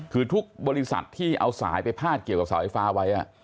คือทุกบริษัทที่เอาสายไปพาดเกี่ยวกับเสาไฟฟ้าไว้